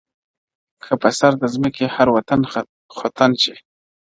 که په سر د ځمکې هر وطن خُتن شي